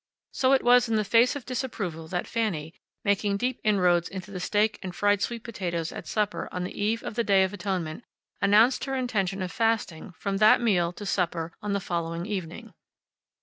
So it was in the face of disapproval that Fanny, making deep inroads into the steak and fried sweet potatoes at supper on the eve of the Day of Atonement, announced her intention of fasting from that meal to supper on the following evening.